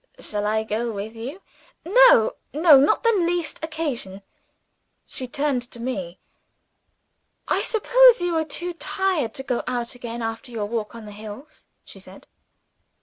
"Shall I go with you?" "No, no. Not the least occasion." She turned to me. "I suppose you are too tired to go out again, after your walk on the hills?" she said.